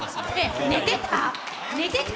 寝てた？